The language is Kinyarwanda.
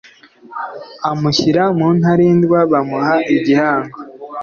amushyira mu ntarindwa; bamuha igihango